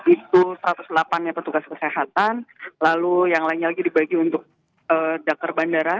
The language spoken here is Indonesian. itu satu ratus delapan nya petugas kesehatan lalu yang lainnya lagi dibagi untuk dakar bandara